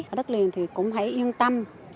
ở đất liền thì cũng hãy yên tâm